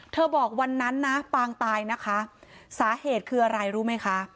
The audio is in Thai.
บอกวันนั้นนะปางตายนะคะสาเหตุคืออะไรรู้ไหมคะ